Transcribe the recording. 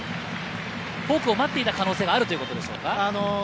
フォークを待っていた可能性があるということですか？